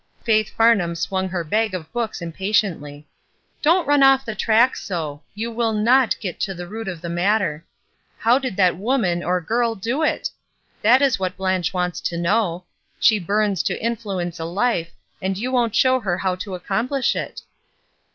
Faith Famham swung her bag of books im patiently. "Don't run off the track so; you wiU mi get to the root of the matter. How did that woman, or girl, do it? That is what Blanche wants to know. She bums to influence a life, and you won't show her how to accomplish it."